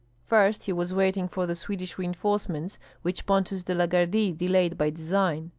First, he was waiting for the Swedish reinforcements, which Pontus de la Gardie delayed by design.